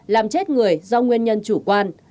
làm chết người do nguyên nhân chủ quan